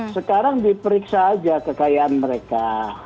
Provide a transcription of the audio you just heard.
sekarang diperiksa aja kekayaan mereka